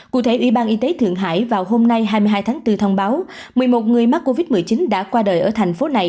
cụ thể ủy ban y tế thượng hải vào hôm nay thông báo một mươi một người mắc covid một mươi chín đã qua đời ở thành phố này